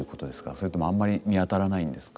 それともあんまり見当たらないんですか？